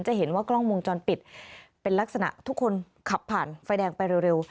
จะเห็นว่ากล้องวงจรปิดเป็นลักษณะทุกคนขับผ่านไฟแดงไปเร็ว